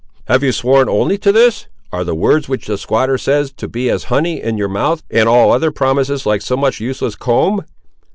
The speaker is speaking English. "Have you sworn only to this? are the words which the squatter says, to be as honey in your mouth, and all other promises like so much useless comb?"